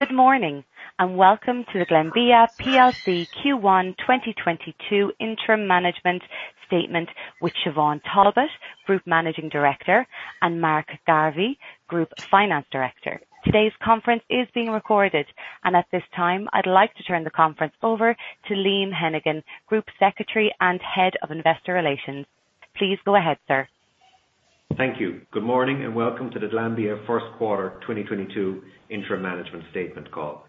Good morning, and welcome to the Glanbia plc Q1 2022 interim management statement with Siobhán Talbot, Group Managing Director, and Mark Garvey, Group Finance Director. Today's conference is being recorded, and at this time, I'd like to turn the conference over to Liam Hennigan, Group Secretary and Head of Investor Relations. Please go ahead, sir. Thank you. Good morning, and welcome to the Glanbia Q1 2022 interim management statement call.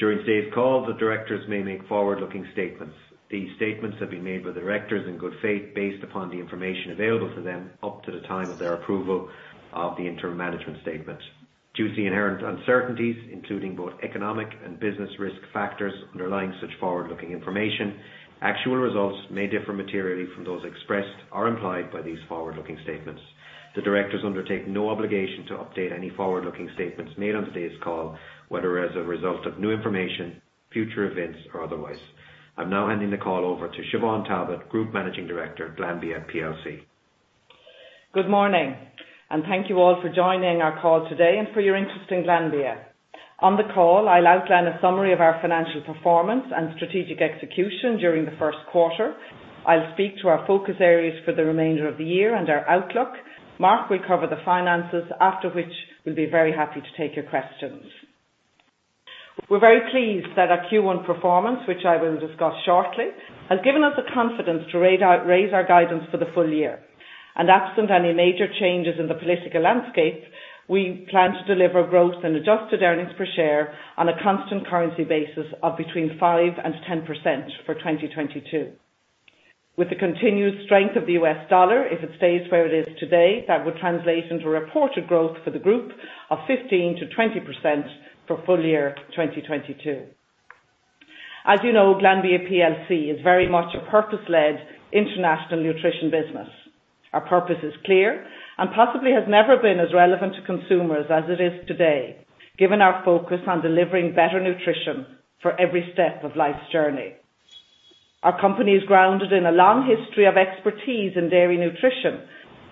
During today's call, the directors may make forward-looking statements. These statements have been made by the directors in good faith, based upon the information available to them up to the time of their approval of the interim management statement. Due to the inherent uncertainties, including both economic and business risk factors underlying such forward-looking information, actual results may differ materially from those expressed or implied by these forward-looking statements. The directors undertake no obligation to update any forward-looking statements made on today's call, whether as a result of new information, future events, or otherwise. I'm now handing the call over to Siobhán Talbot, Group Managing Director, Glanbia plc. Good morning, and thank you all for joining our call today and for your interest in Glanbia. On the call, I'll outline a summary of our financial performance and strategic execution during Q1. I'll speak to our focus areas for the remainder of the year and our outlook. Mark will cover the finances, after which we'll be very happy to take your questions. We're very pleased that our Q1 performance, which I will discuss shortly, has given us the confidence to raise our guidance for the full year. Absent any major changes in the political landscape, we plan to deliver growth and adjusted earnings per share on a constant currency basis of between 5% and 10% for 2022. With the continued strength of the U.S. dollar, if it stays where it is today, that would translate into reported growth for the group of 15%-20% for full year 2022. As you know, Glanbia plc is very much a purpose-led international nutrition business. Our purpose is clear and possibly has never been as relevant to consumers as it is today, given our focus on delivering better nutrition for every step of life's journey. Our company is grounded in a long history of expertise in dairy nutrition,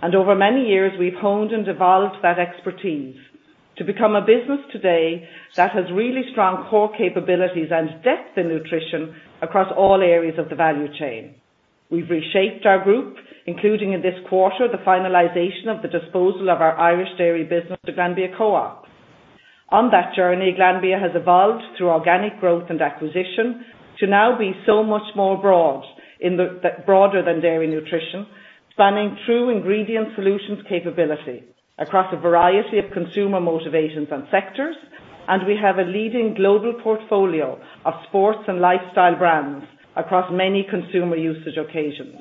and over many years, we've honed and evolved that expertise to become a business today that has really strong core capabilities and depth in nutrition across all areas of the value chain. We've reshaped our group, including in this quarter, the finalization of the disposal of our Irish dairy business to Glanbia Co-op. On that journey, Glanbia has evolved through organic growth and acquisition to now be so much more broader than dairy nutrition, spanning true ingredient solutions capability across a variety of consumer motivations and sectors. We have a leading global portfolio of sports and lifestyle brands across many consumer usage occasions.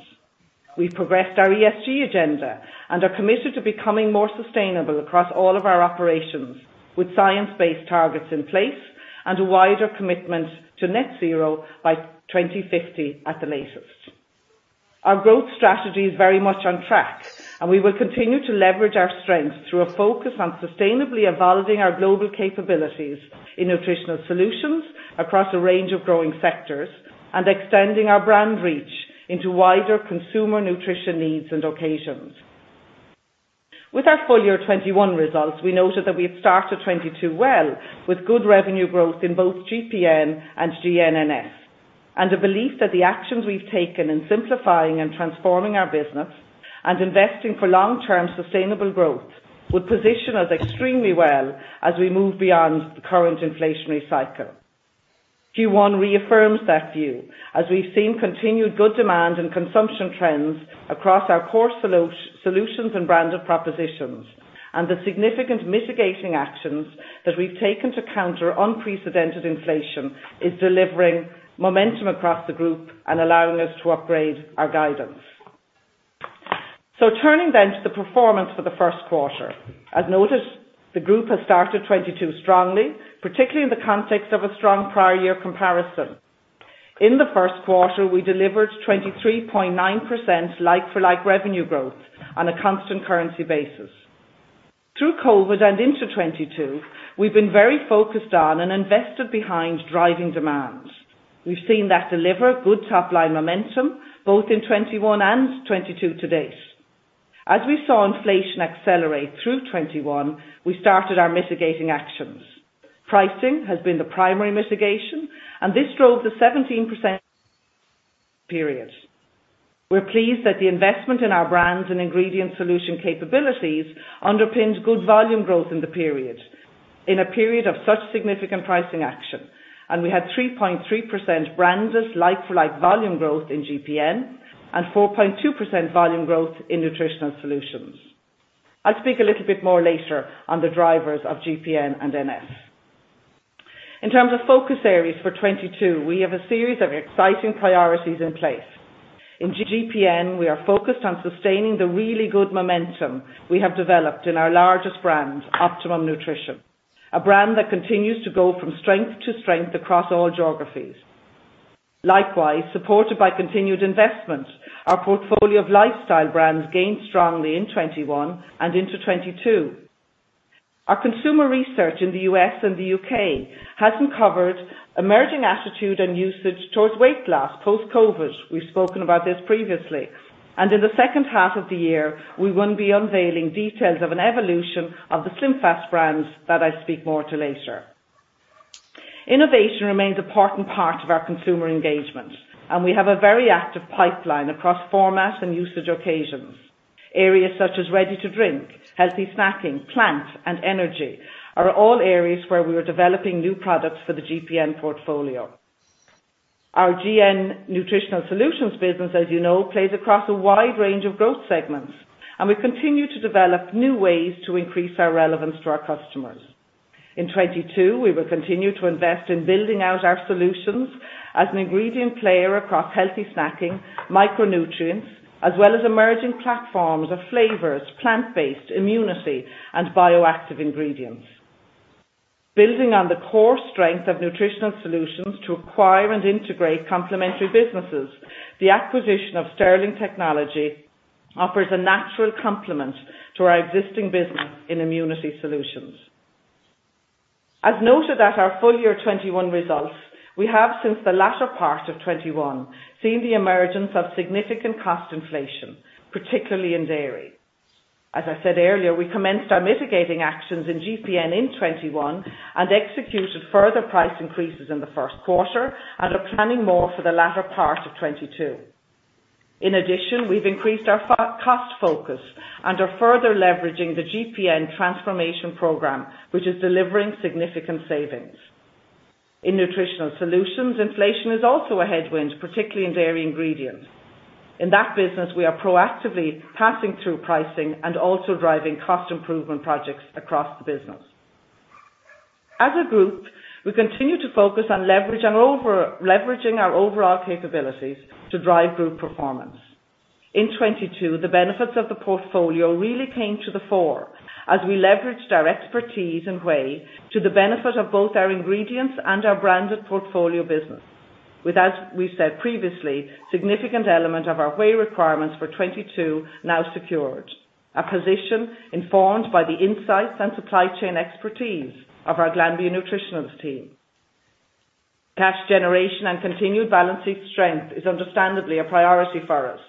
We've progressed our ESG agenda and are committed to becoming more sustainable across all of our operations with science-based targets in place and a wider commitment to net zero by 2050 at the latest. Our growth strategy is very much on track, and we will continue to leverage our strengths through a focus on sustainably evolving our global capabilities in nutritional solutions across a range of growing sectors and extending our brand reach into wider consumer nutrition needs and occasions. With our full year 2021 results, we noted that we had started 2022 well, with good revenue growth in both GPN and GNS, and the belief that the actions we've taken in simplifying and transforming our business and investing for long-term sustainable growth, would position us extremely well as we move beyond the current inflationary cycle. Q1 reaffirms that view, as we've seen continued good demand and consumption trends across our core solutions and brand of propositions, and the significant mitigating actions that we've taken to counter unprecedented inflation is delivering momentum across the group and allowing us to upgrade our guidance. Turning to the performance for the first quarter. As noted, the group has started 2022 strongly, particularly in the context of a strong prior year comparison. In the first quarter, we delivered 23.9% like-for-like revenue growth on a constant currency basis. Through COVID and into 2022, we've been very focused on and invested behind driving demand. We've seen that deliver good top-line momentum, both in 2021 and 2022 to date. As we saw inflation accelerate through 2021, we started our mitigating actions. Pricing has been the primary mitigation, and this drove the 17% period. We're pleased that the investment in our brands and ingredient solution capabilities underpinned good volume growth in the period, in a period of such significant pricing action. We had 3.3% branded like-for-like volume growth in GPN and 4.2% volume growth in Nutritional Solutions. I'll speak a little bit more later on the drivers of GPN and NS. In terms of focus areas for 2022, we have a series of exciting priorities in place. In GPN, we are focused on sustaining the really good momentum we have developed in our largest brand, Optimum Nutrition, a brand that continues to go from strength to strength across all geographies. Likewise, supported by continued investment, our portfolio of lifestyle brands gained strongly in 2021 and into 2022. Our consumer research in the U.S. and the U.K. has uncovered emerging attitude and usage towards weight loss post-COVID. We've spoken about this previously. In H2 of the year, we will be unveiling details of an evolution of the SlimFast brands that I'll speak more to later. Innovation remains an important part of our consumer engagement, and we have a very active pipeline across formats and usage occasions. Areas such as ready-to-drink, healthy snacking, plant, and energy are all areas where we're developing new products for the GPN portfolio. Our GN Nutritional Solutions business, as you know, plays across a wide range of growth segments, and we continue to develop new ways to increase our relevance to our customers. In 2022, we will continue to invest in building out our solutions as an ingredient player across healthy snacking, micronutrients, as well as emerging platforms of flavors, plant-based, immunity, and bioactive ingredients. Building on the core strength of nutritional solutions to acquire and integrate complementary businesses, the acquisition of Sterling Technology offers a natural complement to our existing business in immunity solutions. As noted at our full year 2021 results, we have, since the latter part of 2021, seen the emergence of significant cost inflation, particularly in dairy. As I said earlier, we commenced our mitigating actions in GPN in 2021 and executed further price increases in Q1, and are planning more for the latter part of 2022. In addition, we've increased our cost focus and are further leveraging the GPN transformation program, which is delivering significant savings. In Nutritional Solutions, inflation is also a headwind, particularly in dairy ingredients. In that business, we are proactively passing through pricing and also driving cost improvement projects across the business. As a group, we continue to focus on leverage and over-leveraging our overall capabilities to drive group performance. In 2022, the benefits of the portfolio really came to the fore as we leveraged our expertise in whey to the benefit of both our ingredients and our branded portfolio business. With, as we said previously, significant element of our whey requirements for 2022 now secured. A position informed by the insights and supply chain expertise of our Glanbia Nutritionals team. Cash generation and continued balance sheet strength is understandably a priority for us.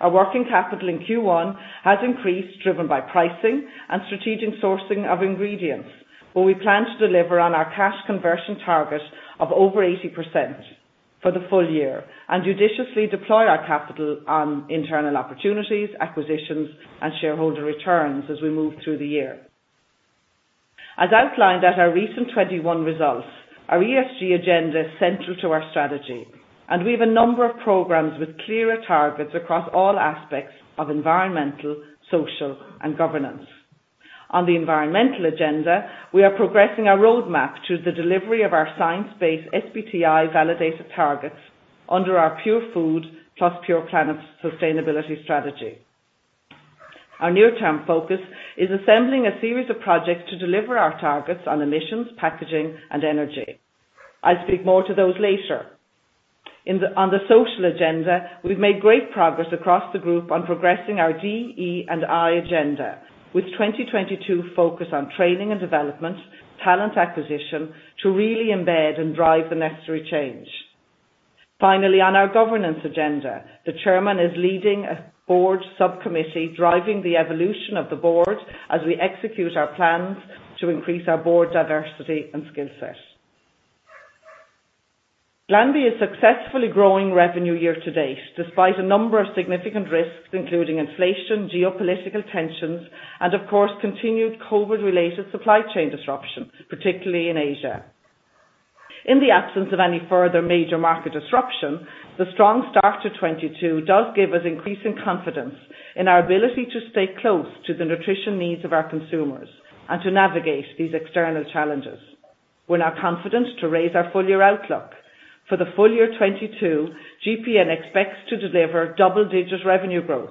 Our working capital in Q1 has increased, driven by pricing and strategic sourcing of ingredients, where we plan to deliver on our cash conversion target of over 80% for the full year, and judiciously deploy our capital on internal opportunities, acquisitions, and shareholder returns as we move through the year. As outlined at our recent 2021 results, our ESG agenda is central to our strategy, and we have a number of programs with clearer targets across all aspects of Environmental, Social, and Governance. On the environmental agenda, we are progressing our roadmap to the delivery of our science-based SBTi-validated targets under our Pure Food plus Pure Planet sustainability strategy. Our near-term focus is assembling a series of projects to deliver our targets on emissions, packaging, and energy. I'll speak more to those later. On the social agenda, we've made great progress across the group on progressing our DE & I agenda, with 2022 focused on training and development, talent acquisition to really embed and drive the necessary change. Finally, on our governance agenda, the chairman is leading a board subcommittee driving the evolution of the board as we execute our plans to increase our board diversity and skill set. Glanbia's successfully growing revenue year-to-date, despite a number of significant risks, including inflation, geopolitical tensions, and, of course, continued COVID-related supply chain disruptions, particularly in Asia. In the absence of any further major market disruption, the strong start to 2022 does give us increasing confidence in our ability to stay close to the nutrition needs of our consumers and to navigate these external challenges. We're now confident to raise our full-year outlook. For the full year 2022, GPN expects to deliver double-digit revenue growth,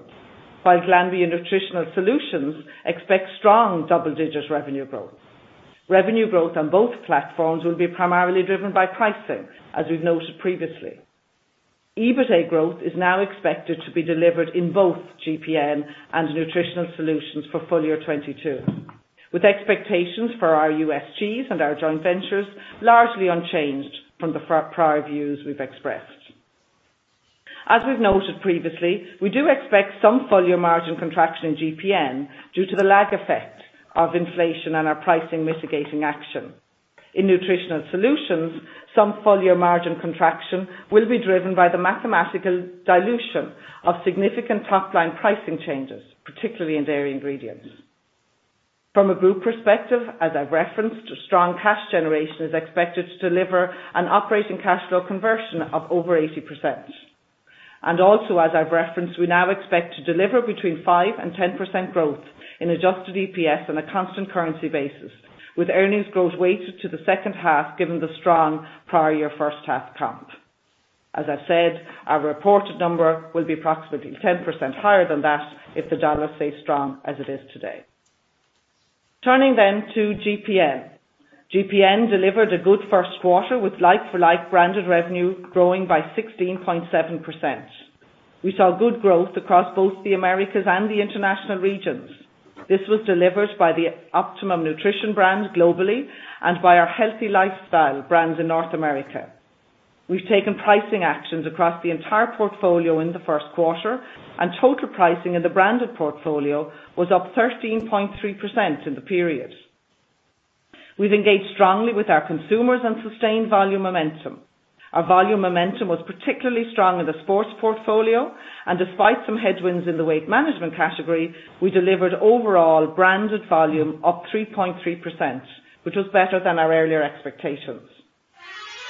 while Glanbia Nutritionals expects strong double-digit revenue growth. Revenue growth on both platforms will be primarily driven by pricing, as we've noted previously. EBITA growth is now expected to be delivered in both GPN and Nutritionals for full year 2022, with expectations for our U.S. Cheese and our joint ventures largely unchanged from the prior views we've expressed. As we've noted previously, we do expect some full-year margin contraction in GPN due to the lag effect of inflation on our pricing mitigating action. In Nutritionals, some full-year margin contraction will be driven by the mathematical dilution of significant top-line pricing changes, particularly in dairy ingredients. From a group perspective, as I've referenced, a strong cash generation is expected to deliver an operating cash flow conversion of over 80%. Also, as I've referenced, we now expect to deliver between 5% and 10% growth in adjusted EPS on a constant currency basis, with earnings growth weighted to the second half, given the strong prior year first half comp. As I've said, our reported number will be approximately 10% higher than that if the dollar stays strong as it is today. Turning to GPN. GPN delivered a good Q1 with like-for-like branded revenue growing by 16.7%. We saw good growth across both the Americas and the international regions. This was delivered by the Optimum Nutrition brand globally and by our Healthy Lifestyle brands in North America. We've taken pricing actions across the entire portfolio in Q1, and total pricing in the branded portfolio was up 13.3% in the period. We've engaged strongly with our consumers and sustained volume momentum. Our volume momentum was particularly strong in the sports portfolio, and despite some headwinds in the weight management category, we delivered overall branded volume up 3.3%, which was better than our earlier expectations.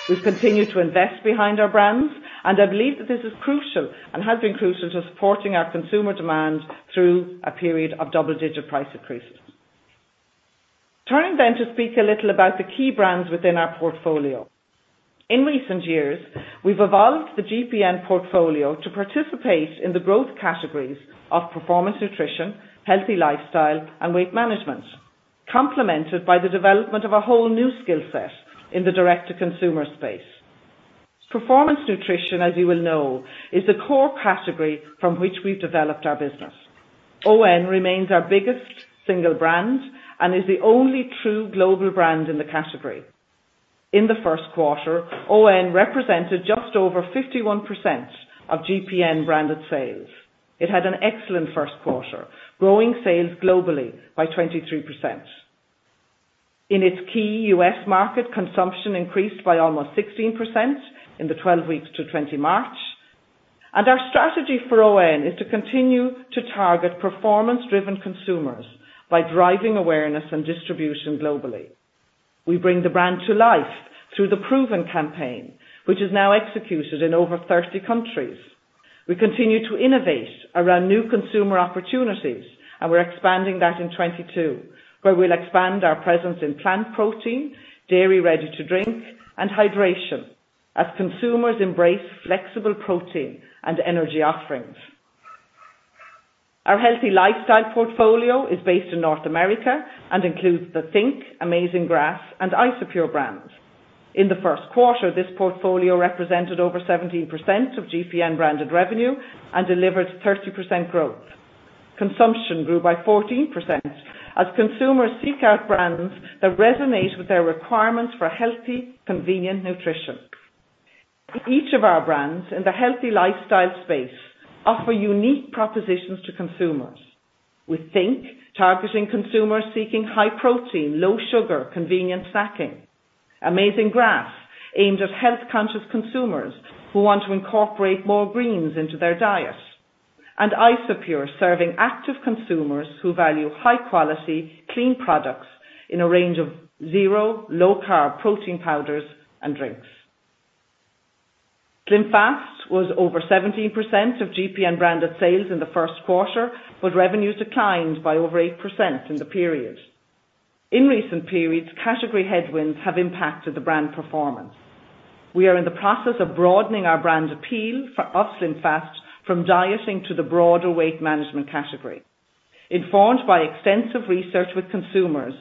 We've continued to invest behind our brands, and I believe that this is crucial and has been crucial to supporting our consumer demand through a period of double-digit price increases. Turning then to speak a little about the key brands within our portfolio. In recent years, we've evolved the GPN portfolio to participate in the growth categories of performance nutrition, healthy lifestyle, and weight management, complemented by the development of a whole new skill set in the direct-to-consumer space. Performance nutrition, as you will know, is the core category from which we've developed our business. ON remains our biggest single brand and is the only true global brand in the category. In Q1, ON represented just over 51% of GPN-branded sales. It had an excellent first quarter, growing sales globally by 23%. In its key U.S. market, consumption increased by almost 16% in the 12 weeks to 20 March. Our strategy for ON is to continue to target performance-driven consumers by driving awareness and distribution globally. We bring the brand to life through the PROVEN campaign, which is now executed in over 30 countries. We continue to innovate around new consumer opportunities, and we're expanding that in 2022, where we'll expand our presence in plant protein, dairy ready-to-drink, and hydration as consumers embrace flexible protein and energy offerings. Our healthy lifestyle portfolio is based in North America and includes the think!, Amazing Grass, and Isopure brands. In the first quarter, this portfolio represented over 17% of GPN-branded revenue and delivered 30% growth. Consumption grew by 14% as consumers seek out brands that resonate with their requirements for healthy, convenient nutrition. Each of our brands in the healthy lifestyle space offer unique propositions to consumers. With think!, targeting consumers seeking high protein, low sugar, convenient snacking. Amazing Grass, aimed at health-conscious consumers who want to incorporate more greens into their diet. Isopure, serving active consumers who value high quality, clean products in a range of zero, low-carb protein powders and drinks. SlimFast was over 17% of GPN-branded sales in the first quarter, but revenue declined by over 8% in the period. In recent periods, category headwinds have impacted the brand performance. We are in the process of broadening our brand appeal for SlimFast, from dieting to the broader weight management category. Informed by extensive research with consumers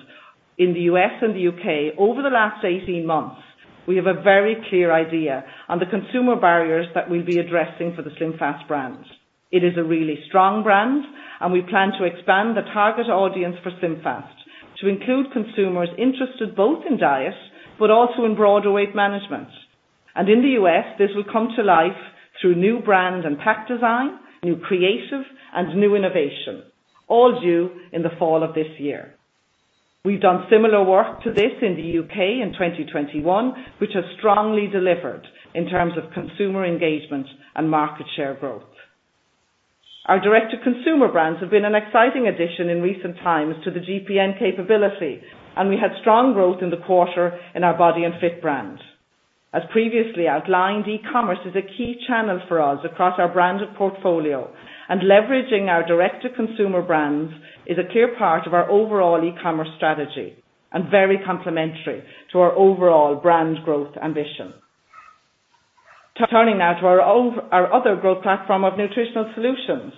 in the U.S. and the U.K. over the last 18 months, we have a very clear idea on the consumer barriers that we'll be addressing for the SlimFast brand. It is a really strong brand, and we plan to expand the target audience for SlimFast to include consumers interested both in diet, but also in broader weight management. In the U.S., this will come to life through new brand and pack design, new creative, and new innovation, all due in the fall of this year. We've done similar work to this in the U.K. in 2021, which has strongly delivered in terms of consumer engagement and market share growth. Our direct-to-consumer brands have been an exciting addition in recent times to the GPN capability, and we had strong growth in the quarter in our Body & Fit brand. As previously outlined, e-commerce is a key channel for us across our branded portfolio, and leveraging our direct-to-consumer brands is a clear part of our overall e-commerce strategy and very complementary to our overall brand growth ambition. Turning now to our other growth platform of Nutritional Solutions.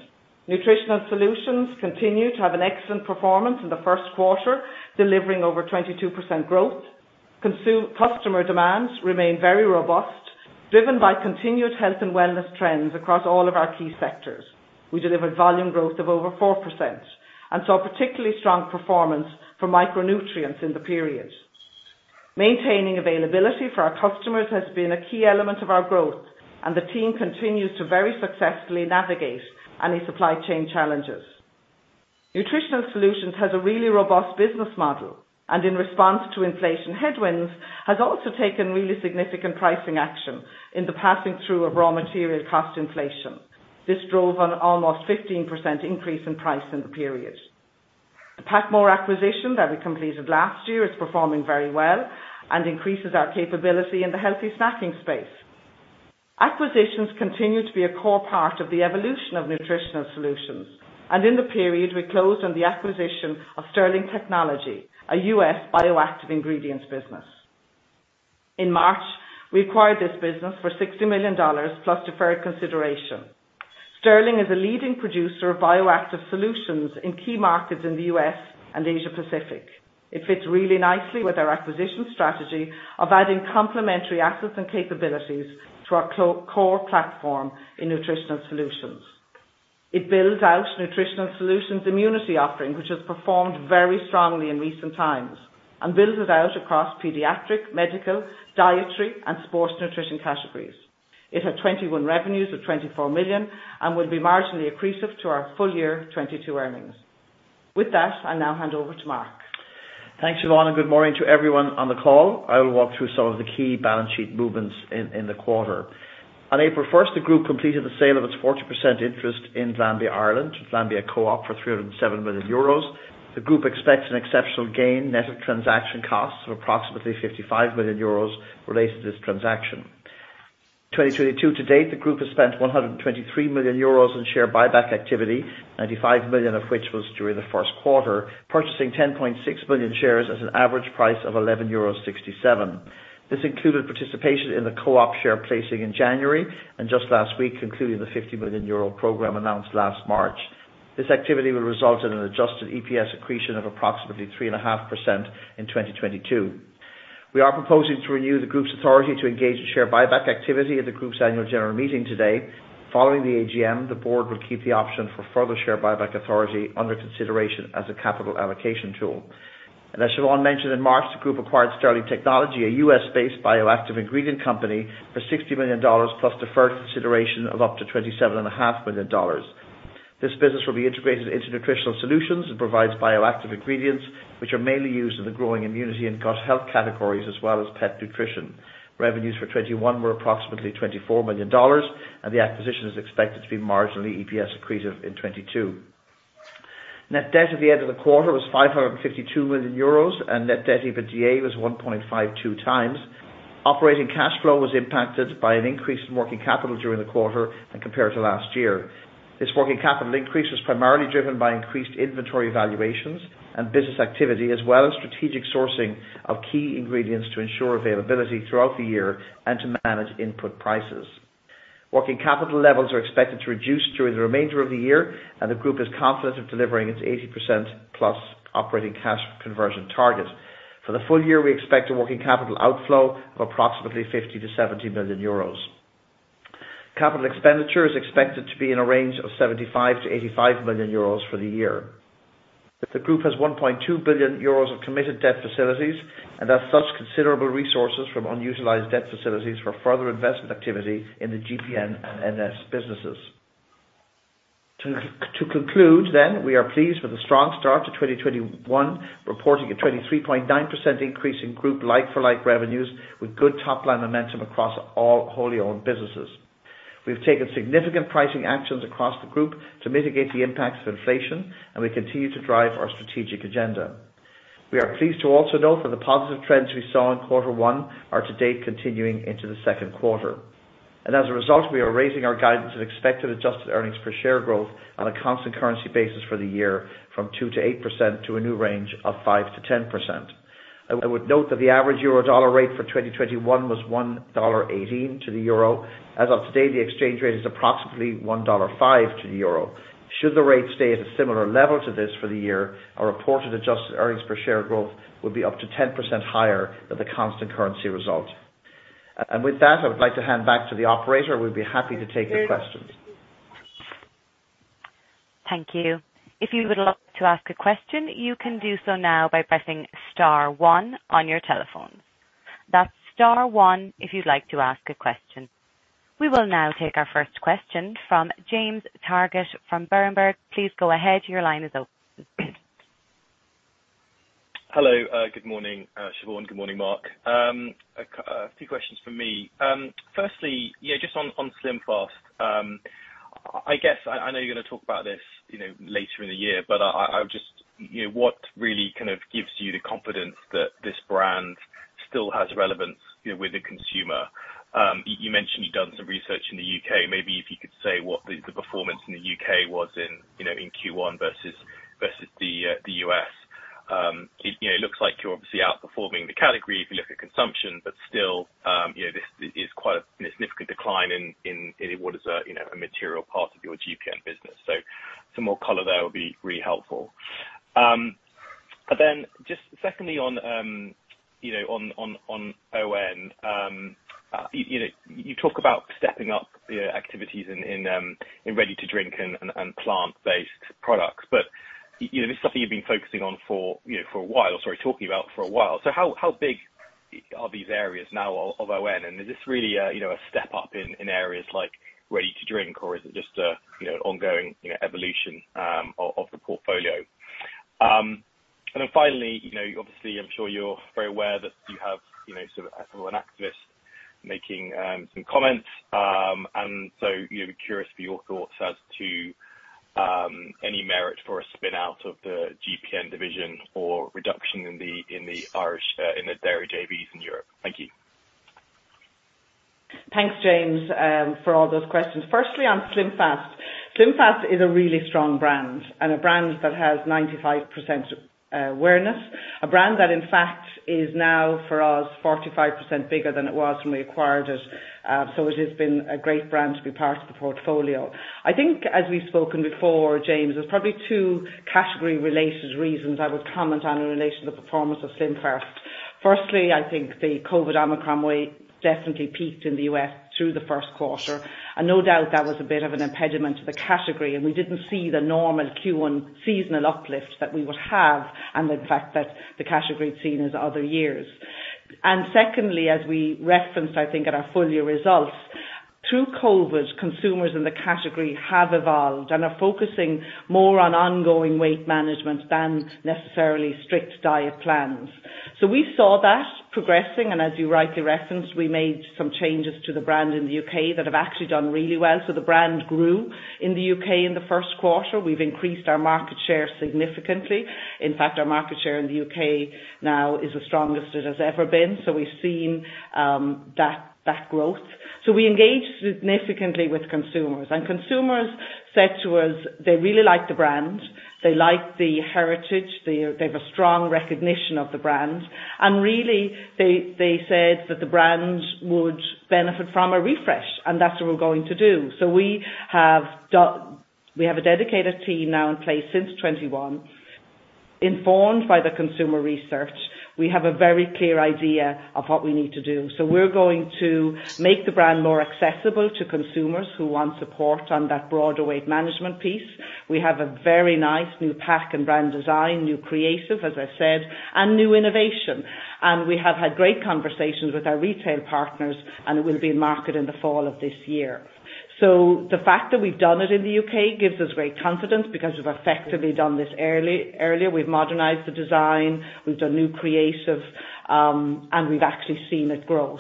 Nutritional Solutions continued to have an excellent performance in Q1, delivering over 22% growth. Customer demands remain very robust, driven by continued health and wellness trends across all of our key sectors. We delivered volume growth of over 4% and saw particularly strong performance for micronutrients in the period. Maintaining availability for our customers has been a key element of our growth, and the team continues to very successfully navigate any supply chain challenges. Nutritional Solutions has a really robust business model, and in response to inflation headwinds, has also taken really significant pricing action in the passing through of raw material cost inflation. This drove an almost 15% increase in price in the period. The PacMoore acquisition that we completed last year is performing very well and increases our capability in the healthy snacking space. Acquisitions continue to be a core part of the evolution of Nutritional Solutions, and in the period we closed on the acquisition of Sterling Technology, a U.S. bioactive ingredients business. In March, we acquired this business for $60 million plus deferred consideration. Sterling is a leading producer of bioactive solutions in key markets in the U.S. and Asia Pacific. It fits really nicely with our acquisition strategy of adding complementary assets and capabilities to our core platform in Nutritional Solutions. It builds out Nutritional Solutions immunity offering, which has performed very strongly in recent times, and builds it out across pediatric, medical, dietary and sports nutrition categories. It had 2021 revenues of 24 million and will be marginally accretive to our full year 2022 earnings. With that, I'll now hand over to Mark. Thanks Siobhán, and good morning to everyone on the call. I will walk through some of the key balance sheet movements in the quarter. On April 1, the group completed the sale of its 40% interest in Glanbia Ireland, Glanbia Co-op, for 307 million euros. The group expects an exceptional gain net of transaction costs of approximately 55 million euros related to this transaction. 2022 to date, the group has spent 123 million euros in share buyback activity, 95 million of which was during Q1, purchasing 10.6 million shares at an average price of EUR 11.67. This included participation in the Co-op share placing in January and just last week concluding the EUR 50 million program announced last March. This activity will result in an adjusted EPS accretion of approximately 3.5% in 2022. We are proposing to renew the group's authority to engage in share buyback activity at the group's annual general meeting today. Following the AGM, the board will keep the option for further share buyback authority under consideration as a capital allocation tool. As Siobhán mentioned, in March, the group acquired Sterling Technology, a U.S.-based bioactive ingredient company, for $60 million, plus deferred consideration of up to $27.5 million. This business will be integrated into Nutritional Solutions. It provides bioactive ingredients, which are mainly used in the growing immunity and gut health categories as well as pet nutrition. Revenues for 2021 were approximately $24 million, and the acquisition is expected to be marginally EPS accretive in 2022. Net debt at the end of the quarter was 552 million euros, and net debt EBITDA was 1.52 times. Operating cash flow was impacted by an increase in working capital during the quarter and compared to last year. This working capital increase was primarily driven by increased inventory valuations and business activity, as well as strategic sourcing of key ingredients to ensure availability throughout the year and to manage input prices. Working capital levels are expected to reduce during the remainder of the year, and the group is confident of delivering its 80%+ operating cash conversion target. For the full year, we expect a working capital outflow of approximately 50 million-70 million euros. Capital expenditure is expected to be in a range of 75 million-85 million euros for the year. The group has 1.2 billion euros of committed debt facilities, and as such, considerable resources from unutilized debt facilities for further investment activity in the GPN and NS businesses. To conclude then, we are pleased with a strong start to 2021, reporting a 23.9% increase in group like-for-like revenues with good top-line momentum across all wholly owned businesses. We've taken significant pricing actions across the group to mitigate the impacts of inflation, and we continue to drive our strategic agenda. We are pleased to also note that the positive trends we saw in quarter one are to date continuing into Q2. As a result, we are raising our guidance of expected adjusted earnings per share growth on a constant currency basis for the year from 2%-8% to a new range of 5%-10%. I would note that the average euro dollar rate for 2021 was $1.18 to the euro. As of today, the exchange rate is approximately $1.05 to the euro. Should the rate stay at a similar level to this for the year, our reported adjusted earnings per share growth would be up to 10% higher than the constant currency result. With that, I would like to hand back to the operator. We'd be happy to take your questions. Thank you. If you would like to ask a question, you can do so now by pressing star one on your telephone. That's star one if you'd like to ask a question. We will now take our first question from James Targett from Berenberg. Please go ahead. Your line is open. Hello. Good morning, Siobhán. Good morning, Mark. A few questions from me. Firstly, yeah, just on SlimFast. I guess I know you're gonna talk about this, you know, later in the year, but I would just you know, what really kind of gives you the confidence that this brand still has relevance, you know, with the consumer? You mentioned you've done some research in the U.K. Maybe if you could say what the performance in the U.K. was in, you know, in Q1 versus the U.S. It looks like you're obviously outperforming the category if you look at consumption, but still, you know, this is quite a significant decline in what is a material part of your GPN business. Some more color there would be really helpful. Just secondly on, you know, on ON, you know, you talk about stepping up your activities in ready-to-drink and plant-based products. You know, this is something you've been focusing on for, you know, for a while, sorry, talking about for a while. How big are these areas now of ON? Is this really a, you know, a step up in areas like ready-to-drink, or is it just a, you know, ongoing, you know, evolution of the portfolio? Finally, you know, obviously I'm sure you're very aware that you have, you know, sort of an activist making some comments, you know, be curious for your thoughts as to any merit for a spin-out of the GPN division or reduction in the Irish dairy JVs in Europe. Thank you. Thanks, James, for all those questions. Firstly, on SlimFast. SlimFast is a really strong brand and a brand that has 95% awareness, a brand that in fact is now for us 45% bigger than it was when we acquired it. It has been a great brand to be part of the portfolio. I think as we've spoken before, James, there's probably two category related reasons I would comment on in relation to the performance of SlimFast. Firstly, I think the COVID Omicron wave definitely peaked in the U.S. through Q1, and no doubt that was a bit of an impediment to the category, and we didn't see the normal Q1 seasonal uplift that we would have and the fact that the category had seen as other years. Secondly, as we referenced, I think at our full-year results, through COVID, consumers in the category have evolved and are focusing more on ongoing weight management than necessarily strict diet plans. We saw that progressing, and as you rightly referenced, we made some changes to the brand in the U.K. that have actually done really well. The brand grew in the U.K. in the Q1. We've increased our market share significantly. In fact, our market share in the U.K. now is the strongest it has ever been. We've seen that growth. We engaged significantly with consumers. Consumers said to us, they really like the brand, they like the heritage, they have a strong recognition of the brand. Really, they said that the brand would benefit from a refresh, and that's what we're going to do. We have a dedicated team now in place since 2021, informed by the consumer research. We have a very clear idea of what we need to do. We're going to make the brand more accessible to consumers who want support on that broader weight management piece. We have a very nice new pack and brand design, new creative, as I said, and new innovation. We have had great conversations with our retail partners, and it will be in market in the fall of this year. The fact that we've done it in the U.K. gives us great confidence because we've effectively done this early, earlier. We've modernized the design, we've done new creative, and we've actually seen it grow.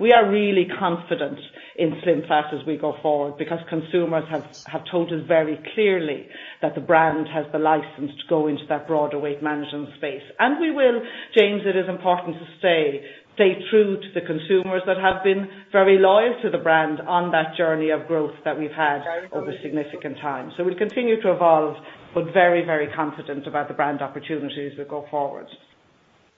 We are really confident in SlimFast as we go forward because consumers have told us very clearly that the brand has the license to go into that broader weight management space. We will, James, it is important to stay true to the consumers that have been very loyal to the brand on that journey of growth that we've had over significant time. We'll continue to evolve, but very, very confident about the brand opportunity as we go forward.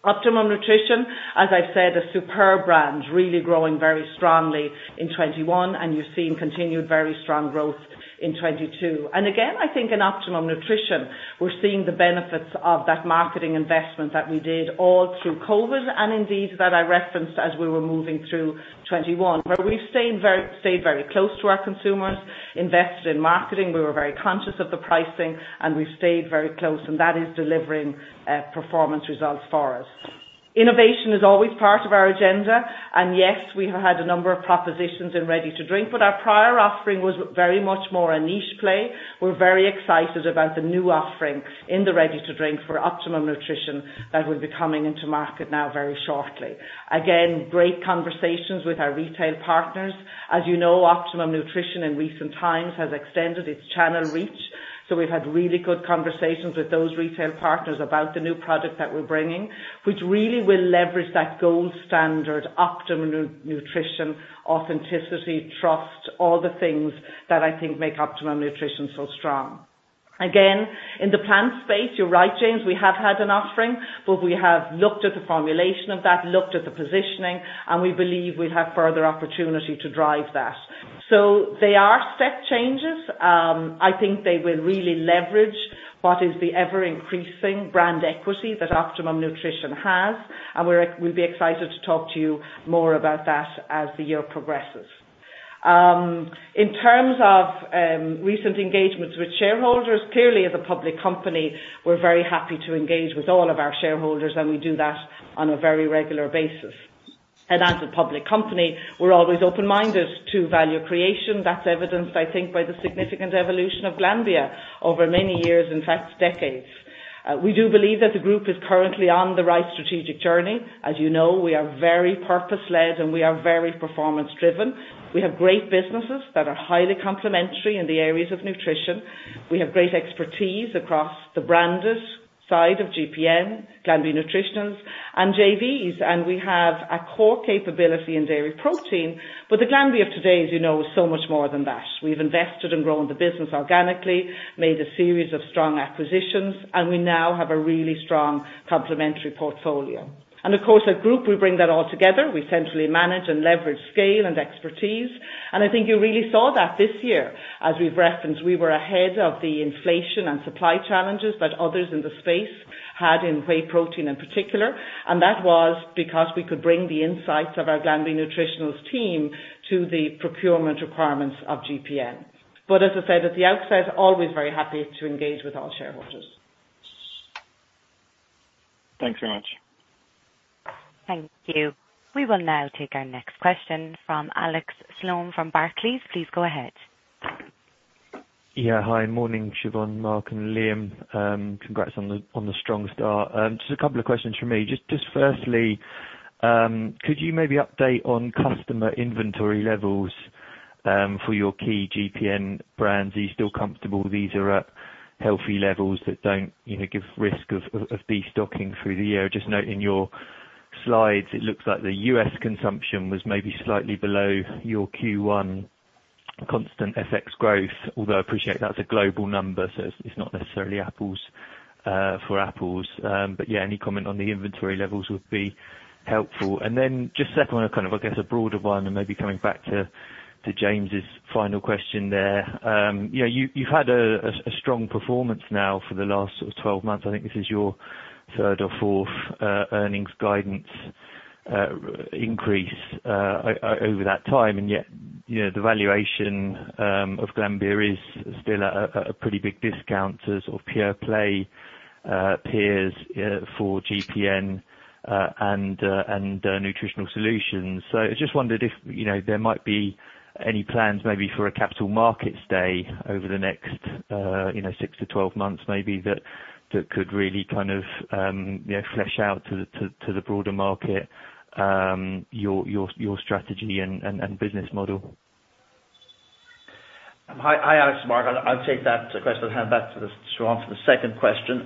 Optimum Nutrition, as I've said, a superb brand, really growing very strongly in 2021, and you're seeing continued very strong growth in 2022. I think in Optimum Nutrition, we're seeing the benefits of that marketing investment that we did all through COVID, and indeed that I referenced as we were moving through 2021, where we stayed very close to our consumers, invested in marketing. We were very conscious of the pricing, and we've stayed very close, and that is delivering performance results for us. Innovation is always part of our agenda, and yes, we have had a number of propositions in ready to drink, but our prior offering was very much more a niche play. We're very excited about the new offering in the ready to drink for Optimum Nutrition that will be coming into market now very shortly. Again, great conversations with our retail partners. As you know, Optimum Nutrition in recent times has extended its channel reach, so we've had really good conversations with those retail partners about the new product that we're bringing, which really will leverage that gold standard Optimum Nutrition, authenticity, trust, all the things that I think make Optimum Nutrition so strong. Again, in the plant space, you're right, James, we have had an offering, but we have looked at the formulation of that, looked at the positioning, and we believe we'll have further opportunity to drive that. They are step changes. I think they will really leverage what is the ever-increasing brand equity that Optimum Nutrition has, and we'll be excited to talk to you more about that as the year progresses. In terms of recent engagements with shareholders, clearly as a public company, we're very happy to engage with all of our shareholders, and we do that on a very regular basis. As a public company, we're always open-minded to value creation. That's evidenced, I think, by the significant evolution of Glanbia over many years, in fact, decades. We do believe that the group is currently on the right strategic journey. As you know, we are very purpose-led, and we are very performance driven. We have great businesses that are highly complementary in the areas of nutrition. We have great expertise across the branded side of GPN, Glanbia Nutritionals, and JVs, and we have a core capability in dairy protein. The Glanbia of today, as you know, is so much more than that. We've invested and grown the business organically, made a series of strong acquisitions, and we now have a really strong complementary portfolio. Of course, as a group, we bring that all together. We centrally manage and leverage scale and expertise. I think you really saw that this year. As we've referenced, we were ahead of the inflation and supply challenges that others in the space had in whey protein in particular, and that was because we could bring the insights of our Glanbia Nutritionals team to the procurement requirements of GPN. As I said at the outset, always very happy to engage with all shareholders. Thanks very much. Thank you. We will now take our next question from Alex Sloane from Barclays. Please go ahead. Yeah. Hi. Morning, Siobhán, Mark Garvey, and Liam Hennigan. Congrats on the strong start. Just a couple of questions from me. Just firstly, could you maybe update on customer inventory levels for your key GPN brands? Are you still comfortable these are at healthy levels that don't you know give risk of destocking through the year? Just note in your slides, it looks like the U.S. consumption was maybe slightly below your Q1 constant FX growth, although I appreciate that's a global number, so it's not necessarily apples for apples. But yeah, any comment on the inventory levels would be helpful. Then just second one, a kind of, I guess, a broader one and maybe coming back to James Targett's final question there. Yeah, you have had a strong performance now for the last sort of 12 months. I think this is your third or fourth earnings guidance increase over that time. Yet, you know, the valuation of Glanbia is still at a pretty big discount to sort of pure play peers for GPN and Nutritional Solutions. I just wondered if, you know, there might be any plans maybe for a capital markets day over the next, you know, six to 12 months maybe that could really kind of, you know, flesh out to the broader market, you know, your strategy and business model. Hi, Alex. Mark, I'll take that question and hand back to Siobhán for the second question.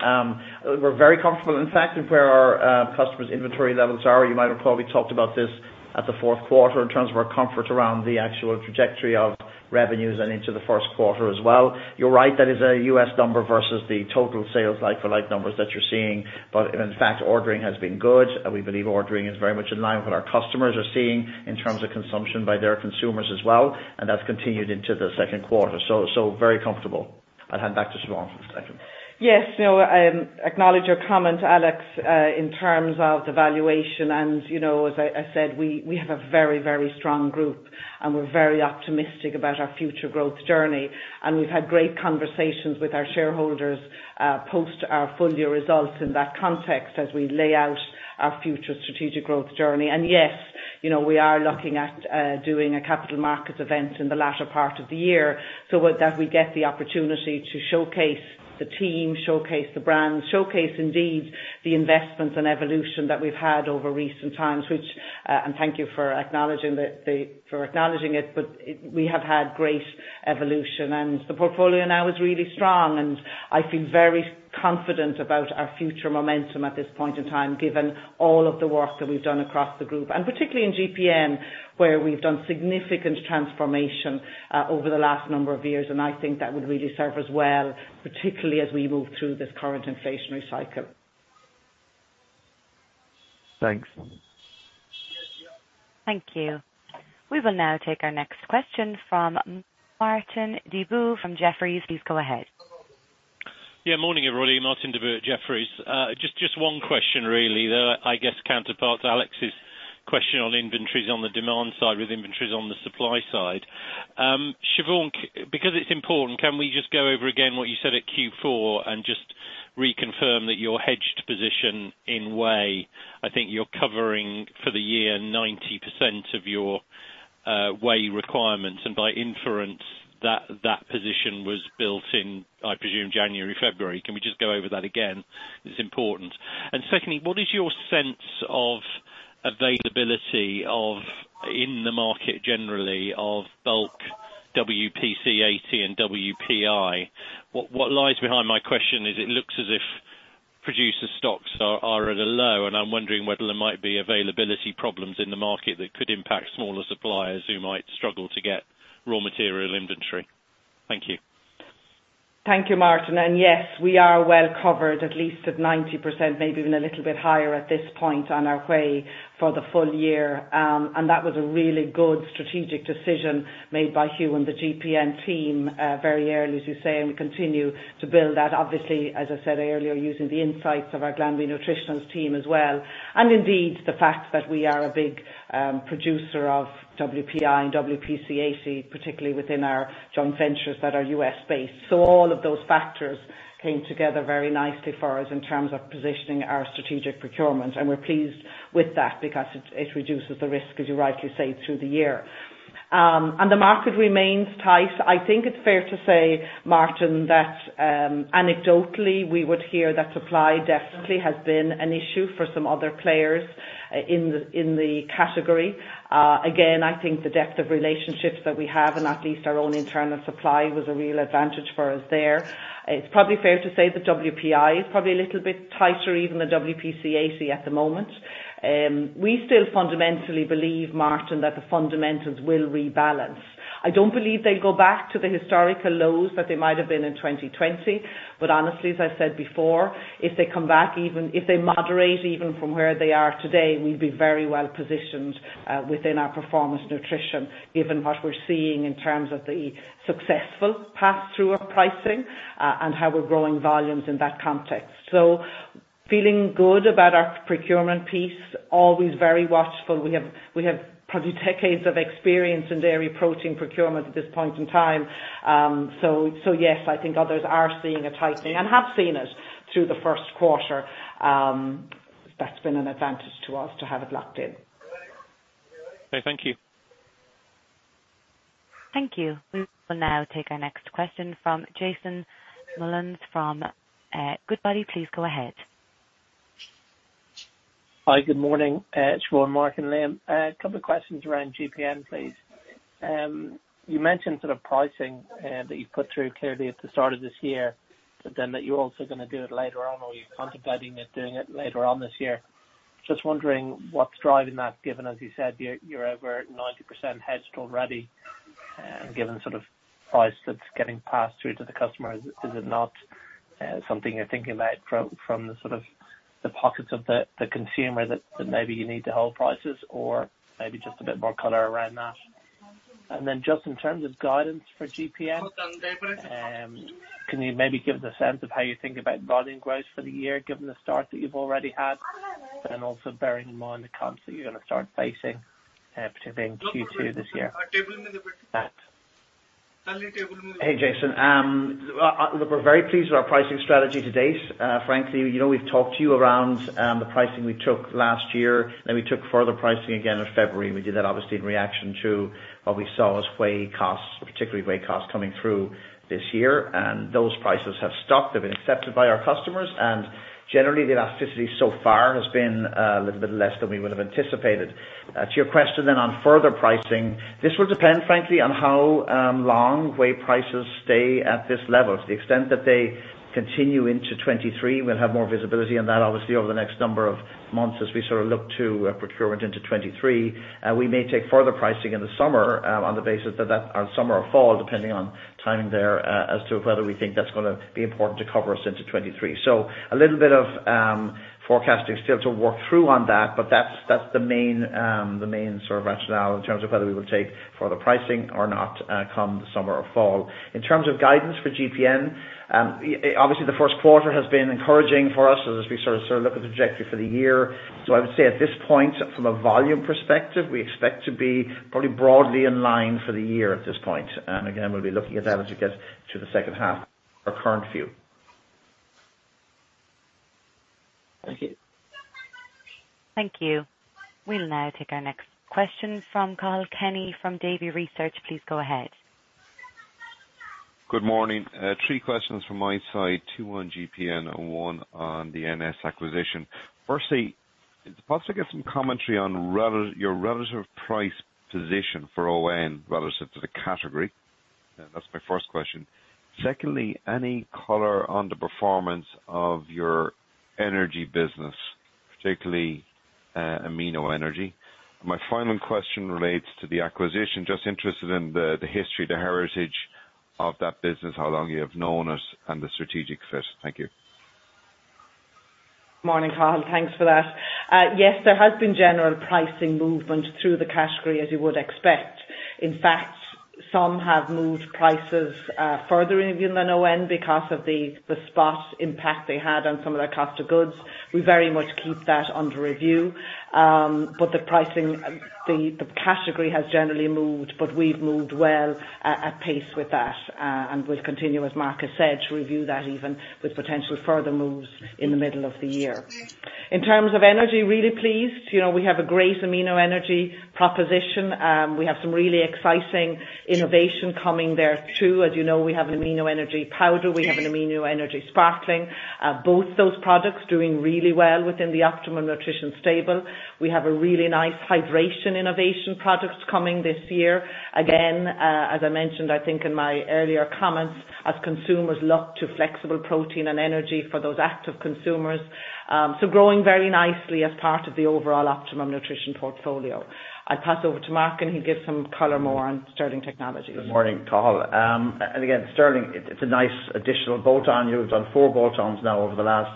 We're very comfortable, in fact, with where our customers' inventory levels are. You might recall we talked about this at the fourth quarter in terms of our comfort around the actual trajectory of revenues and into the first quarter as well. You're right, that is a U.S. number versus the total sales like-for-like numbers that you're seeing. In fact, ordering has been good, and we believe ordering is very much in line with what our customers are seeing in terms of consumption by their consumers as well, and that's continued into the second quarter. Very comfortable. I'll hand back to Siobhán for the second. Yes. No, I acknowledge your comment, Alex, in terms of the valuation. You know, as I said, we have a very strong group, and we're very optimistic about our future growth journey. We've had great conversations with our shareholders, post our full year results in that context as we lay out our future strategic growth journey. Yes, you know, we are looking at doing a capital market event in the latter part of the year so that we get the opportunity to showcase the team, showcase the brand, showcase indeed the investments and evolution that we've had over recent times, and thank you for acknowledging it, but we have had great evolution. The portfolio now is really strong, and I feel very confident about our future momentum at this point in time, given all of the work that we've done across the group, and particularly in GPN, where we've done significant transformation over the last number of years, and I think that would really serve us well, particularly as we move through this current inflationary cycle. Thanks. Thank you. We will now take our next question from Martin Deboo from Jefferies. Please go ahead. Yeah, morning, everybody. Martin Deboo at Jefferies. Just one question really that I guess counterpoints Alex's question on inventories on the demand side with inventories on the supply side. Siobhán, because it's important, can we just go over again what you said at Q4 and just reconfirm that your hedged position in whey. I think you're covering for the year 90% of your whey requirements. By inference, that position was built in, I presume, January, February. Can we just go over that again? It's important. Secondly, what is your sense of availability of, in the market generally, of bulk WPC80 and WPI? What lies behind my question is it looks as if producer stocks are at a low, and I'm wondering whether there might be availability problems in the market that could impact smaller suppliers who might struggle to get raw material inventory. Thank you. Thank you, Martin. Yes, we are well covered, at least at 90%, maybe even a little bit higher at this point on our way for the full year. That was a really good strategic decision made by Hugh and the GPN team, very early, as you say, and we continue to build that. Obviously, as I said earlier, using the insights of our Glanbia Nutritionals team as well. Indeed, the fact that we are a big producer of WPI and WPC80, particularly within our joint ventures that are U.S.-based. All of those factors came together very nicely for us in terms of positioning our strategic procurement, and we're pleased with that because it reduces the risk, as you rightly say, through the year. The market remains tight. I think it's fair to say, Martin, that, anecdotally, we would hear that supply definitely has been an issue for some other players, in the, in the category. Again, I think the depth of relationships that we have, and at least our own internal supply was a real advantage for us there. It's probably fair to say the WPI is probably a little bit tighter, even the WPC80 at the moment. We still fundamentally believe, Martin, that the fundamentals will rebalance. I don't believe they go back to the historical lows that they might have been in 2020, but honestly, as I said before, if they moderate even from where they are today, we'd be very well positioned within our performance nutrition, given what we're seeing in terms of the successful pass-through of pricing, and how we're growing volumes in that context. Feeling good about our procurement piece, always very watchful. We have probably decades of experience in dairy approaching procurement at this point in time. Yes, I think others are seeing a tightening and have seen it through the first quarter. That's been an advantage to us to have it locked in. Okay, thank you. Thank you. We will now take our next question from Jason Molins from Goodbody. Please go ahead. Hi, good morning, Siobhán, Mark, and Liam. A couple of questions around GPN, please. You mentioned sort of pricing that you've put through clearly at the start of this year, but then that you're also gonna do it later on, or you're contemplating it, doing it later on this year. Just wondering what's driving that, given, as you said, you're over 90% hedged already, given sort of price that's getting passed through to the customer. Is it not Something you're thinking about from the sort of pockets of the consumer that maybe you need to hold prices or maybe just a bit more color around that. Just in terms of guidance for GPN, can you maybe give us a sense of how you think about volume growth for the year given the start that you've already had, and also bearing in mind the comps that you're gonna start facing, particularly in Q2 this year? Hey, Jason. Look, we're very pleased with our pricing strategy to date. Frankly, you know, we've talked to you around the pricing we took last year, then we took further pricing again in February. We did that obviously in reaction to what we saw as whey costs, particularly whey costs, coming through this year. Those prices have stuck. They've been accepted by our customers, and generally, the elasticity so far has been a little bit less than we would have anticipated. To your question then on further pricing, this will depend, frankly, on how long whey prices stay at this level. To the extent that they continue into 2023, we'll have more visibility on that obviously over the next number of months as we sort of look to procurement into 2023. We may take further pricing in the summer or fall, depending on timing there, as to whether we think that's gonna be important to cover us into 2023. A little bit of forecasting still to work through on that, but that's the main sort of rationale in terms of whether we will take further pricing or not, come summer or fall. In terms of guidance for GPN, obviously Q1 has been encouraging for us as we sort of look at the trajectory for the year. I would say at this point, from a volume perspective, we expect to be probably broadly in line for the year at this point. Again, we'll be looking at that as it gets to the second half of our current view. Thank you. Thank you. We'll now take our next question from Cathal Kenny from Davy Research. Please go ahead. Good morning. Three questions from my side, two on GPN and one on the NS acquisition. Firstly, is it possible to get some commentary on your relative price position for ON relative to the category? That's my first question. Secondly, any color on the performance of your energy business, particularly Amino Energy. My final question relates to the acquisition. Just interested in the history, the heritage of that business, how long you have known it, and the strategic fit. Thank you. Morning, Cathal. Thanks for that. Yes, there has been general pricing movement through the category, as you would expect. In fact, some have moved prices further even than ON because of the spot impact they had on some of their cost of goods. We very much keep that under review. But the pricing. The category has generally moved, but we've moved well at pace with that. We'll continue, as Mark has said, to review that even with potential further moves in the middle of the year. In terms of energy, really pleased. You know, we have a great AMIN.O. Energy proposition. We have some really exciting innovation coming there too. As you know, we have an AMIN.O. Energy powder, we have an AMIN.O. ENERGY Sparkling. Both those products doing really well within the Optimum Nutrition stable. We have a really nice hydration innovation products coming this year. Again, as I mentioned, I think in my earlier comments, as consumers look to flexible protein and energy for those active consumers. Growing very nicely as part of the overall Optimum Nutrition portfolio. I pass over to Mark, and he'll give some more color on Sterling Technology. Good morning, Cathal. And again, Sterling, it's a nice additional bolt-on. We've done four bolt-ons now over the last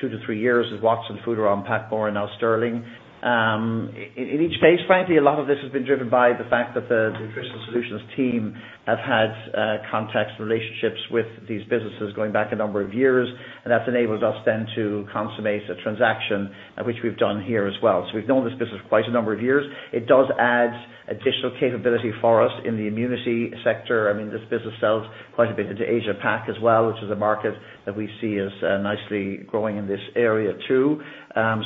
two to three years with Watson, Foodarom, PacMoore, now Sterling. In each case, frankly, a lot of this has been driven by the fact that the Nutritional Solutions team have had contacts, relationships with these businesses going back a number of years, and that's enabled us then to consummate a transaction, which we've done here as well. We've known this business quite a number of years. It does add additional capability for us in the immunity sector. I mean, this business sells quite a bit into Asia Pac as well, which is a market that we see as nicely growing in this area too.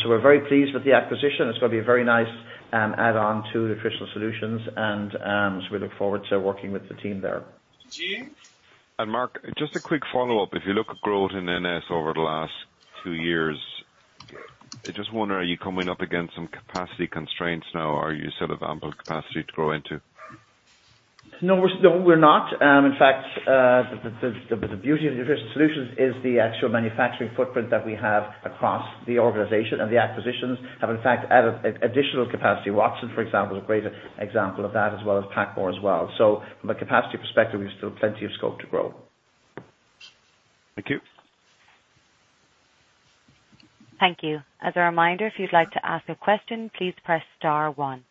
We're very pleased with the acquisition. It's gonna be a very nice add-on to Nutritional Solutions and so we look forward to working with the team there. Mark, just a quick follow-up. If you look at growth in NS over the last two years, I just wonder, are you coming up against some capacity constraints now or you still have ample capacity to grow into? No, we're not. In fact, the beauty of Nutritional Solutions is the actual manufacturing footprint that we have across the organization. The acquisitions have in fact added additional capacity. Watson, for example, is a great example of that, as well as PacMoore as well. From a capacity perspective, we have still plenty of scope to grow. Thank you. Thank you. As a reminder, if you'd like to ask a question, please press star one.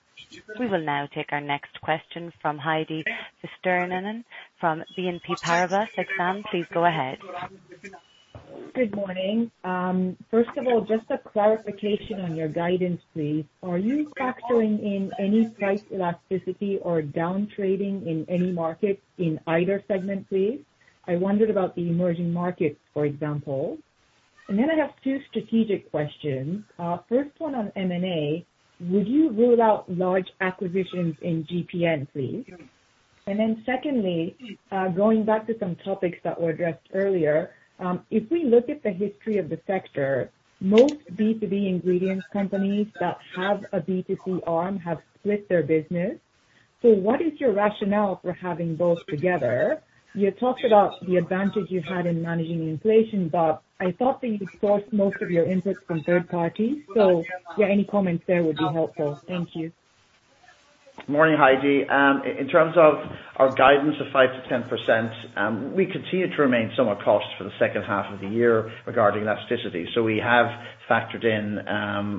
We will now take our next question from Heidi Vesterinen from BNP Paribas. Exane, please go ahead. Good morning. First of all, just a clarification on your guidance, please. Are you factoring in any price elasticity or down trading in any market in either segment, please? I wondered about the emerging markets, for example. I have two strategic questions. First one on M&A, would you rule out large acquisitions in GPN, please? Secondly, going back to some topics that were addressed earlier, if we look at the history of the sector, most B2B ingredients companies that have a B2C arm have split their business. What is your rationale for having both together? You talked about the advantage you had in managing inflation, but I thought that you sourced most of your inputs from third parties. Yeah, any comments there would be helpful. Thank you. Morning, Heidi. In terms of our guidance of 5%-10%, we continue to remain somewhat cautious for the second half of the year regarding elasticity. We have factored in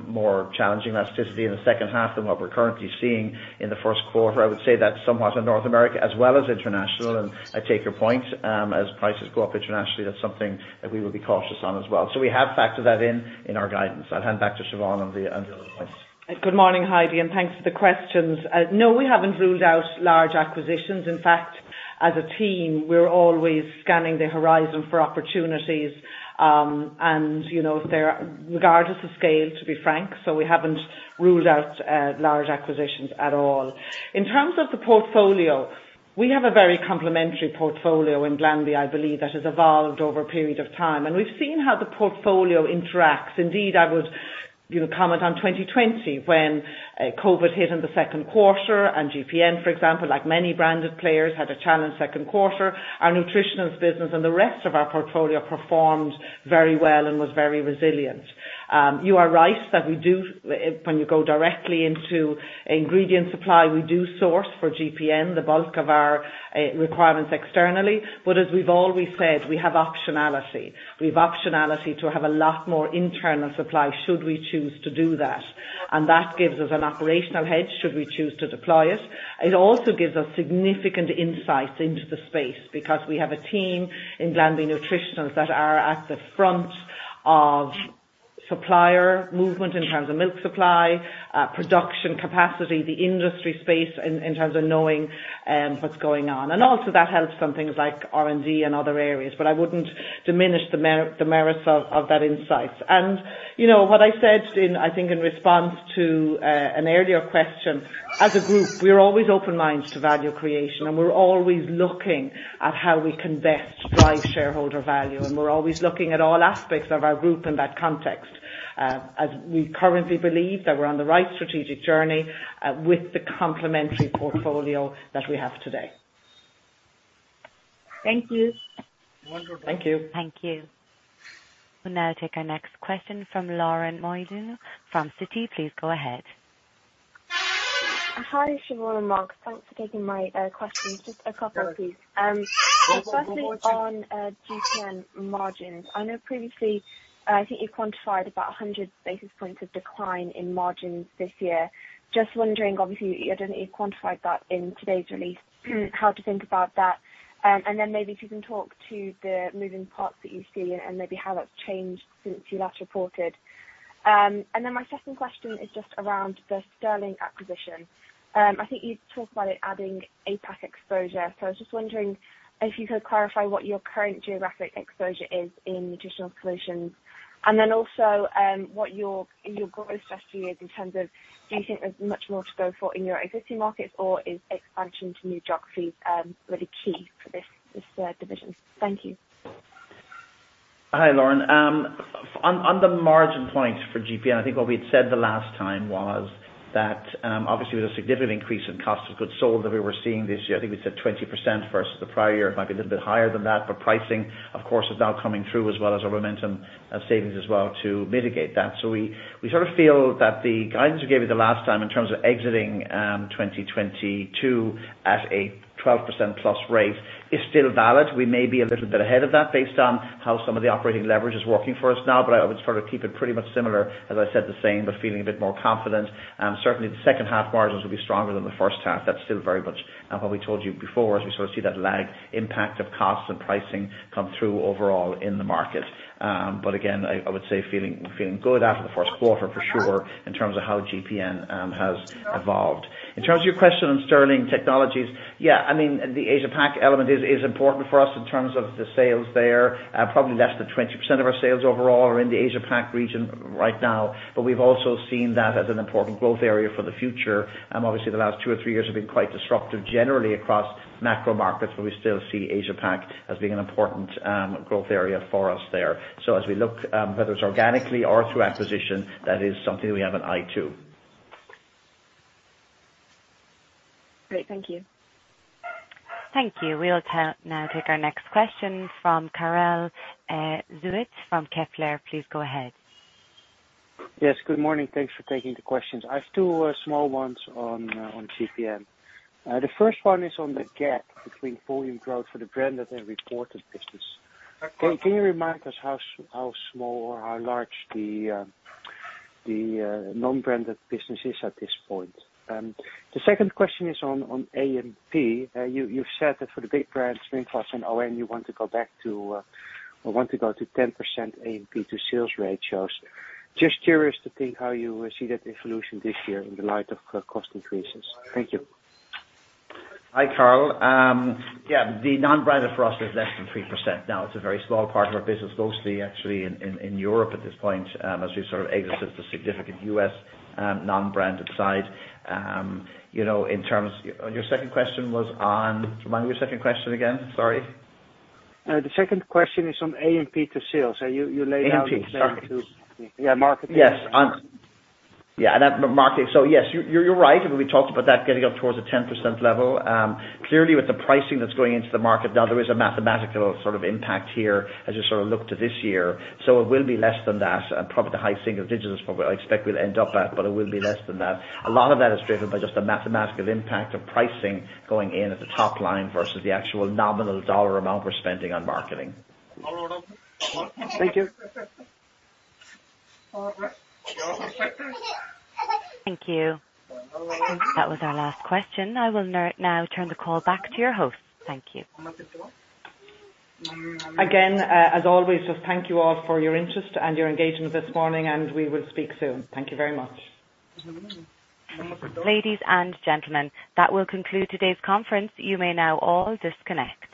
more challenging elasticity in the second half than what we're currently seeing in Q1. I would say that's somewhat in North America as well as international. I take your point, as prices go up internationally, that's something that we will be cautious on as well. We have factored that in in our guidance. I'll hand back to Siobhán on the other points. Good morning, Heidi, and thanks for the questions. No, we haven't ruled out large acquisitions. In fact, as a team, we're always scanning the horizon for opportunities, and you know, if there are regardless of scale, to be frank, we haven't ruled out large acquisitions at all. In terms of the portfolio, we have a very complementary portfolio in Glanbia, I believe, that has evolved over a period of time. We've seen how the portfolio interacts. Indeed, I would you know, comment on 2020, when COVID hit in the second quarter and GPN, for example, like many branded players, had a challenged second quarter. Our Nutritionals business and the rest of our portfolio performed very well and was very resilient. You are right that we do, when you go directly into ingredient supply, we do source for GPN the bulk of our requirements externally. As we've always said, we have optionality. We have optionality to have a lot more internal supply should we choose to do that. That gives us an operational hedge should we choose to deploy it. It also gives us significant insight into the space because we have a team in Glanbia Nutritionals that are at the front of supplier movement in terms of milk supply, production capacity, the industry space in terms of knowing what's going on. Also that helps some things like R&D and other areas. I wouldn't diminish the merits of that insight. You know, what I said in, I think in response to an earlier question, as a group, we're always open-minded to value creation, and we're always looking at how we can best drive shareholder value. We're always looking at all aspects of our group in that context. As we currently believe that we're on the right strategic journey with the complementary portfolio that we have today. Thank you. Thank you. Thank you. We'll now take our next question from Deirdre Mullaney from Citi. Please go ahead. Hi, Siobhán and Mark. Thanks for taking my questions. Just a couple, please. Firstly on GPN margins. I know previously, I think you quantified about 100 basis points of decline in margins this year. Just wondering, obviously, I don't think you quantified that in today's release, how to think about that. Maybe if you can talk to the moving parts that you see and maybe how that's changed since you last reported. My second question is just around the Sterling acquisition. I think you talked about it adding APAC exposure. I was just wondering if you could clarify what your current geographic exposure is in Nutritional Solutions. Also, what your goals for next few years in terms of do you think there's much more to go for in your existing markets or is expansion to new geographies really key for this division? Thank you. Hi, Deirdre. On the margin points for GPN, I think what we had said the last time was that, obviously, with a significant increase in cost of goods sold that we were seeing this year, I think we said 20% versus the prior year, might be a little bit higher than that, but pricing, of course, is now coming through as well as our momentum of savings as well to mitigate that. We sort of feel that the guidance we gave you the last time in terms of exiting 2022 at a 12%+ rate is still valid. We may be a little bit ahead of that based on how some of the operating leverage is working for us now, but I would sort of keep it pretty much similar, as I said, the same, but feeling a bit more confident. Certainly H2 margins will be stronger than H1. That's still very much what we told you before, as we sort of see that lag impact of costs and pricing come through overall in the market. Again, I would say feeling good after Q1 for sure in terms of how GPN has evolved. In terms of your question on Sterling Technology, yeah, I mean, the Asia Pac element is important for us in terms of the sales there. Probably less than 20% of our sales overall are in the Asia Pac region right now. We've also seen that as an important growth area for the future. Obviously, the last two or three years have been quite disruptive generally across macro markets, but we still see Asia Pac as being an important growth area for us there. As we look, whether it's organically or through acquisition, that is something we have an eye to. Great. Thank you. Thank you. We'll now take our next question from Karel Zoete from Kepler. Please go ahead. Yes, good morning. Thanks for taking the questions. I have two small ones on GPN. The first one is on the gap between volume growth for the branded and reported business. Can you remind us how small or how large the non-branded business is at this point? The second question is on AMP. You've said that for the big brands, you know, you want to go back to or want to go to 10% AMP to sales ratios. Just curious to think how you see that evolution this year in the light of cost increases. Thank you. Hi, Karel. Yeah, the non-branded for us is less than 3% now. It's a very small part of our business, mostly actually in Europe at this point, as we've sort of exited the significant U.S. non-branded side. You know, remind me your second question again. Sorry. The second question is on AMP to sales. You laid out- AMP. Yeah, marketing. Yes, you're right. We talked about that getting up towards the 10% level. Clearly with the pricing that's going into the market now, there is a mathematical sort of impact here as you sort of look to this year. It will be less than that. Probably the high single digits% is probably what I expect we'll end up at, but it will be less than that. A lot of that is driven by just the mathematical impact of pricing going in at the top line versus the actual nominal dollar amount we're spending on marketing. Thank you. Thank you. That was our last question. I will now turn the call back to your host. Thank you. Again, as always, just thank you all for your interest and your engagement this morning, and we will speak soon. Thank you very much. Ladies and gentlemen, that will conclude today's conference. You may now all disconnect.